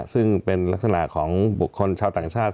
ซึ่งเป็นลักษณะของบุคคลชาวต่างชาติ